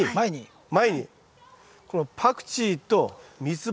前にこのパクチーとミツバ。